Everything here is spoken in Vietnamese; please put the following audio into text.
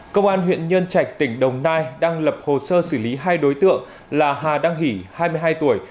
công an huyện nhân trạch tỉnh đồng nai đang lập hồ sơ xử lý hai đối tượng là hà đăng hỷ hai mươi hai tuổi